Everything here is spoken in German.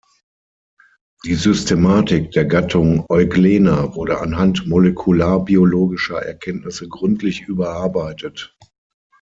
Die Systematik der Gattung "Euglena" wurde anhand molekularbiologischer Erkenntnisse gründlich überarbeitet.